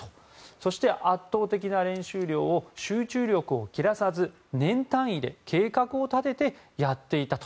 そして、圧倒的な練習量を集中力を切らさず年単位で計画を立ててやっていたと。